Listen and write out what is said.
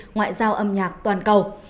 ngoại giao âm nhạc toàn cầu